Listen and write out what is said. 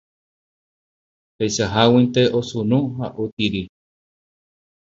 Peichaháguinte osunu ha otiri